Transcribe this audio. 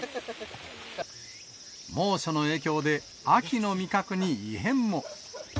猛暑の影響で、秋の味覚に異変も。